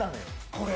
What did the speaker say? これ？